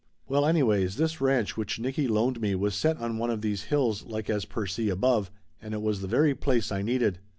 Well anyways, this ranch which Nicky loaned me was set on one of these hills like as per see above, and it was the very place I needed.